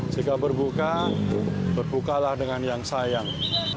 jika berbuka berbukalah dengan yang sayang